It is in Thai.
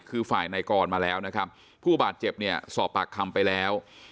คือฝ่ายนายกรมาแล้วนะครับผู้บาดเจ็บเนี่ยสอบปากคำไปแล้ว